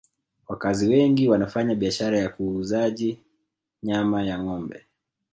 wakazi wengi wanafanya biashara ya kuuzaji nyama ya ngombe